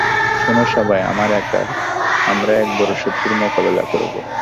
শোনো সবাই, আমরা এক বড় শত্রুর মোকাবেলা করব।